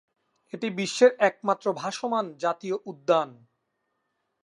এটি বিশ্বের একমাত্র ভাসমান জাতীয় উদ্যান।